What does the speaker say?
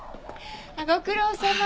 ご苦労さま。